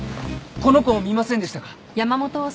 この人見かけませんでしたか？